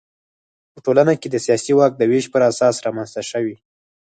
په ټولنه کې د سیاسي واک د وېش پر اساس رامنځته شوي.